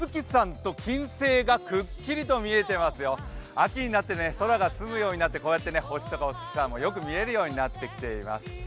秋になって空が澄むようになってこうやって星とかお月様がよく見えるようになってきています。